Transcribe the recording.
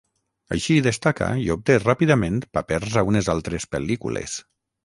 Així destaca i obté ràpidament papers a unes altres pel·lícules.